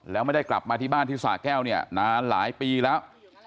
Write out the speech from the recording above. แล้วไม่ได้กลับมาที่บ้านที่สะแก้วเนี่ยนานหลายปีแล้ว